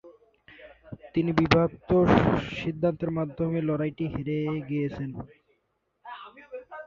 তিনি বিভক্ত সিদ্ধান্তের মাধ্যমে লড়াইটি হেরে গিয়েছিলেন।